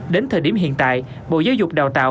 đến thời điểm hiện tại bộ giáo dục đào tạo